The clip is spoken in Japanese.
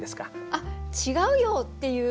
あっ「違うよ！」っていう。